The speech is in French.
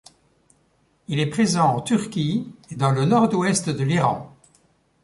Il est présent en Turquie et dans le nord-ouest de l'Iran.